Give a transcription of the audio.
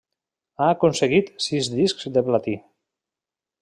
Ha aconseguit sis discs de platí.